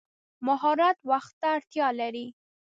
مهارت وخت ته اړتیا لري.